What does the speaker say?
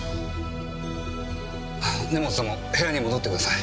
根元さんも部屋に戻ってください。